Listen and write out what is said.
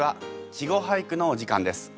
「稚語俳句」のお時間です。